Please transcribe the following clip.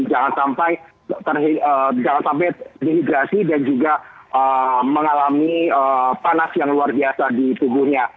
jangan sampai dehidrasi dan juga mengalami panas yang luar biasa di tubuhnya